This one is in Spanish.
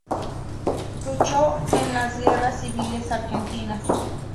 Luchó en las guerras civiles argentinas.